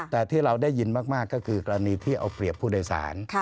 แต่ที่เราได้ยินมากก็คือกรณีที่เอาเปรียบผู้โดยสาร